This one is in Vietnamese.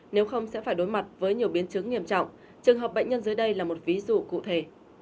nếu không sẽ phải đối mặt với nhiều biến chứng nghiêm trọng trường hợp bệnh nhân dưới đây là một ví dụ cụ thể